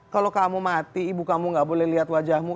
kalau kamu mati ibu kamu tidak boleh melihat wajahmu